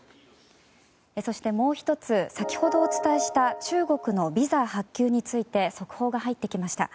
そして、もう１つ先ほどお伝えした中国のビザ発給について速報が入ってきました。